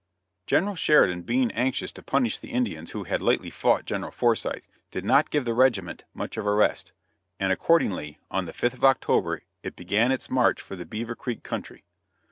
General Sheridan, being anxious to punish the Indians who had lately fought General Forsyth, did not give the regiment much of a rest, and accordingly on the 5th of October it began its march for the Beaver Creek country.